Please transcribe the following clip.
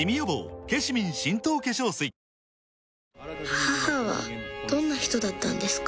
母はどんな人だったんですか？